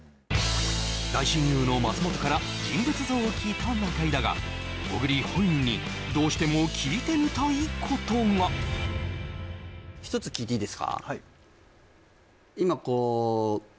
大親友の松本から人物像を聞いた中居だが小栗本人にどうしても聞いてみたいことがはい